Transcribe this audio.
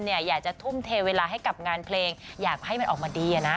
เพราะว่าถ้าทำอยากจะทุ่มเทเวลาให้กับงานเพลงอยากให้มันออกมาดีนะ